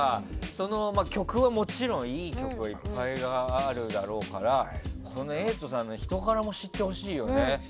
そのまま、いい曲はもちろんいっぱいあるだろうから瑛人さんの人柄も知ってほしいよね。